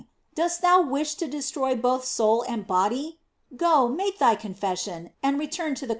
Dost thou wish to destroy both soul and body ? Go, make thy confession, and return to the con * Ann.